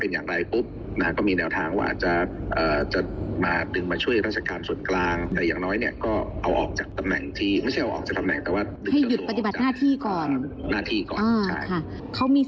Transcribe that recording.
อันนี้ไม่แน่ใจเหมือนกันแต่ว่าก็เป็นสิทธิ์ของเจ้าตัว